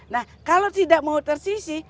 nah kalau tidak mau tersisi